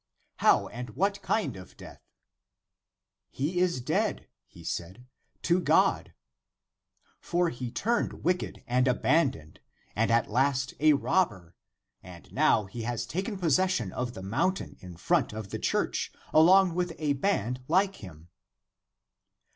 " How and what kind of death ?"" He is dead," he said, " to God. For he turned wicked and abandoned, and at last a robber; and now he has 198 THE APOCRYPHAL ACTS taken possession of the mountain in front of the church, along with a band like him."